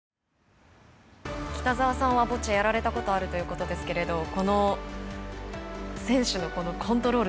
北澤さんはボッチャをやられたことがあるということですけどこの選手のコントロール